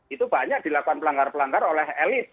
itu banyak dilakukan pelanggar pelanggar oleh elit